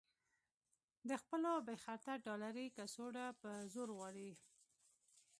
د خپلو بې خرطه ډالري کڅوړو په زور غواړي.